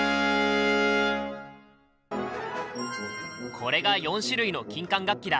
これが４種類の金管楽器だ！